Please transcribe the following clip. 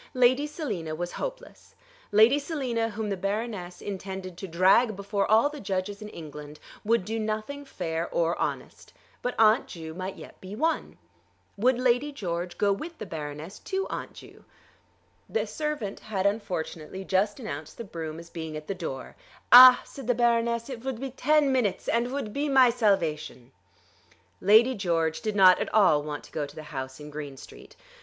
Lady Selina was hopeless. Lady Selina, whom the Baroness intended to drag before all the judges in England, would do nothing fair or honest; but Aunt Ju might yet be won. Would Lady George go with the Baroness to Aunt Ju? The servant had unfortunately just announced the brougham as being at the door. "Ah," said the Baroness, "it vould be ten minutes, and vould be my salvation." Lady George did not at all want to go to the house in Green Street.